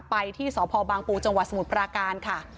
ไปที่สพบางปูจสมุทรปราการค่ะ